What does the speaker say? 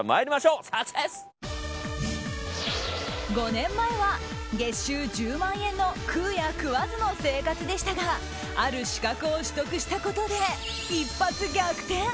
５年前は月収１０万円の食うや食わずの生活でしたがある資格を取得したことで一発逆転！